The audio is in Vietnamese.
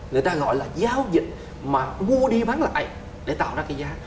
người ta gọi là giao dịch mà mua đi bán lại để tạo ra cái giá